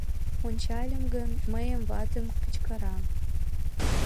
Ончальым гын, мыйым ватем кычкыра.